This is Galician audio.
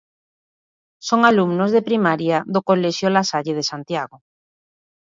Son alumnos de primaria do colexio La Salle de Santiago.